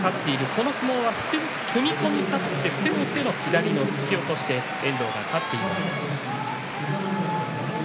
この相撲は踏み込み勝って攻めての左の突き落としで遠藤が勝っています。